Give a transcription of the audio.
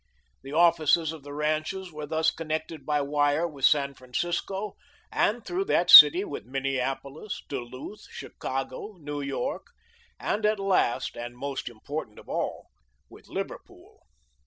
The offices of the ranches were thus connected by wire with San Francisco, and through that city with Minneapolis, Duluth, Chicago, New York, and at last, and most important of all, with Liverpool.